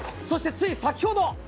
そしてつい先ほど！